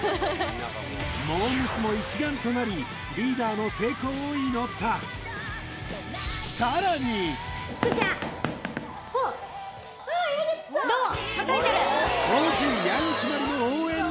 モー娘。も一丸となりリーダーの成功を祈ったあっああ矢口